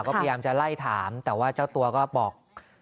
ก็พยายามจะไล่ถามแต่ว่าเจ้าตัวก็บอก